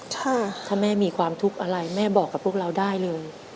ถ้าแม่มีความทุกข์อะไรแม่บอกกับพวกเราได้เลย